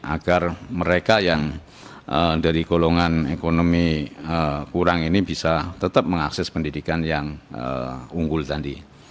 agar mereka yang dari golongan ekonomi kurang ini bisa tetap mengakses pendidikan yang unggul tadi